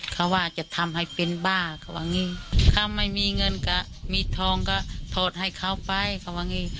เขาว่าจะทำให้เป็นบ้าเขาว่างี้ถ้าไม่มีเงินก็มีทองก็โทษให้เขาไปเขาว่างี้